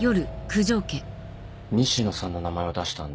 ・西野さんの名前を出したんだ？